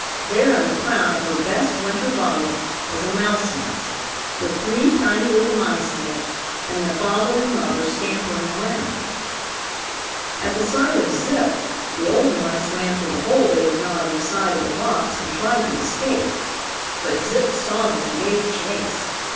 There in the crown of her best winter bonnet was a mouse nest, with three tiny little mice in it, and the father and mother scampering around. At the sight of Zip, the old mice ran for the hole they had gnawed in the side of the box, and tried to escape, but Zip saw them and gave chase.